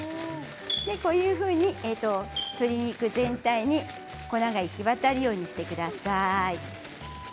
こういうふうに鶏肉全体に粉が行き渡るようにしてください。